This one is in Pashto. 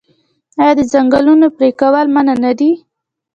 آیا د ځنګلونو پرې کول منع نه دي؟